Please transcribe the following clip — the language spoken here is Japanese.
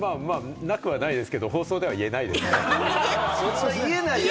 なくはないですけど、放送では言えないですね。